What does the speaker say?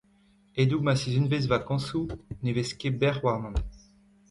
E-doug ma sizhunvezh vakañsoù ne vez ket bec’h warnon.